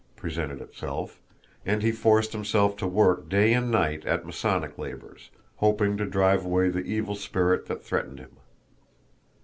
presented itself; and he forced himself to work day and night at Masonic labors, hoping to drive away the evil spirit that threatened him.